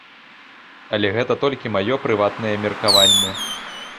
Але гэта толькі маё прыватнае меркаванне.